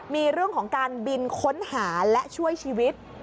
มีเรื่องของการบินค้นหาและช่วยชีวิต